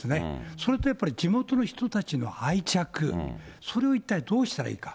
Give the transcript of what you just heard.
それとやっぱり地元の人たちの愛着、それを一体どうしたらいいか。